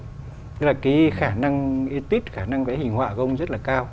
thì là cái khả năng ít tuyết khả năng vẽ hình họa của ông rất là cao